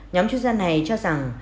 nhóm chuyên gia này cho rằng